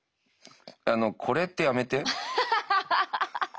あの「これ」ってやめて。